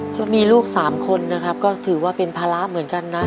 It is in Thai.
เพราะมีลูก๓คนนะครับก็ถือว่าเป็นภาระเหมือนกันนะ